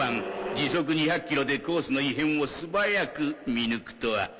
時速２００キロでコースの異変を素早く見抜くとは。